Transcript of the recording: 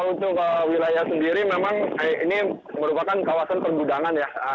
untuk wilayah sendiri memang ini merupakan kawasan pergudangan ya